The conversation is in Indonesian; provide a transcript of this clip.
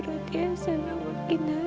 roti yang selalu kena